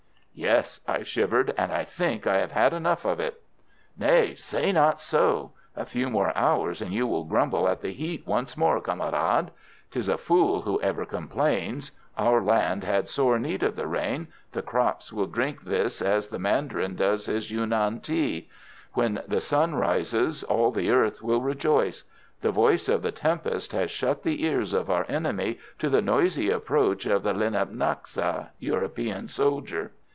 "Yes" I shivered "and I think I have had enough of it." "No! say not so! A few more hours and you will grumble at the heat once more, camarade! 'Tis a fool who ever complains. Our land had sore need of the rain; the crops will drink this as the mandarin does his Yunan tea. When the sun rises all the earth will rejoice. The voice of the tempest has shut the ears of our enemy to the noisy approach of the linhtap lanxa (European soldier).